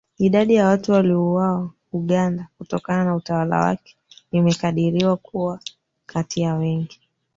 Idadi ya watu waliouawa Uganda kutokana na utawala wake imekadiriwa kuwa kati ya wengi